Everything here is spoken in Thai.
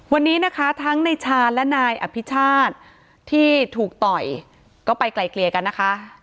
วันนี้นะคะทั้งในชาญและนายอภิชาติที่ถูกต่อยก็ไปไกลเกลี่ยกันนะคะ